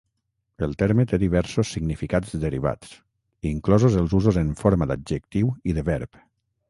El terme té diversos significats derivats, inclosos els usos en forma d'adjectiu i de verb.